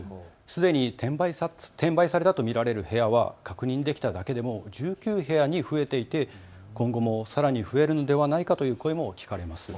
すでに転売されたと見られる部屋は確認できただけでも１９部屋に増えていて今後もさらに増えのではないかという声も聞かれます。